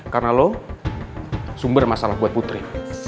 karena lo sumber masalah buat putri